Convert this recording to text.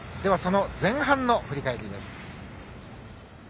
その前半の振り返りです。